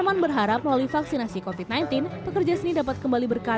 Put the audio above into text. iman berharap melalui vaksinasi covid sembilan belas pekerja seni dapat kembali berkarya